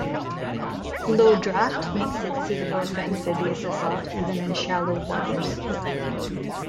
Low draft makes it suitable for amphibious assault even in shallow waters.